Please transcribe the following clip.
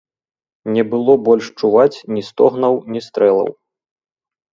Не было больш чуваць ні стогнаў, ні стрэлаў.